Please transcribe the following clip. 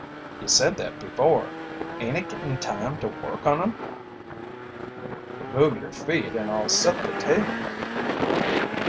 "You said that before. Ain't it gittin' time to work on 'em?" "Remove your feet and I'll set the table."